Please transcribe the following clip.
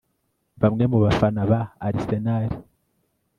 Bamwe mu bafana ba Arsenal